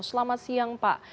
selamat siang pak